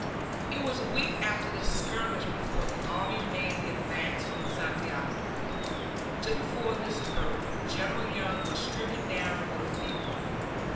It was a week after this skirmish before the army made the advance on Santiago. Just before this occurred General Young was stricken down with fever.